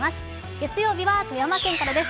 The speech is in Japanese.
月曜日は富山県からです。